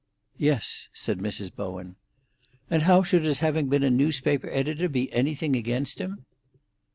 "Yes," said Mrs. Bowen. "And how should his having been a newspaper editor be anything against him?"